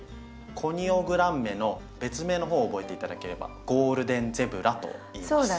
コニオグランメの別名の方を覚えて頂ければゴールデンゼブラといいます。